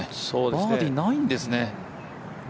バーディーないんですね。